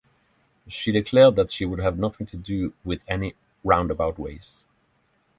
She declared that she would have nothing to do with any roundabout ways.